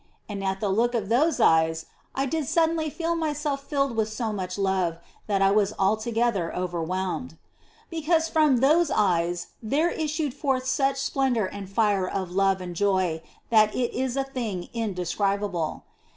And at the look of those eyes I did suddenly feel myself filled with so much love that I was altogether overwhelmed. Because from those eyes there issued forth such splendour and fire of love and joy that it is a thing indescribable.